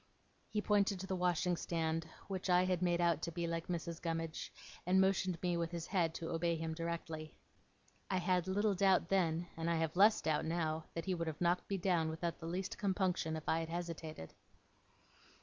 He pointed to the washing stand, which I had made out to be like Mrs. Gummidge, and motioned me with his head to obey him directly. I had little doubt then, and I have less doubt now, that he would have knocked me down without the least compunction, if I had hesitated.